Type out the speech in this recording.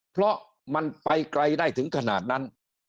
เพราะมันไปไกลได้ถึงขนาดนั้น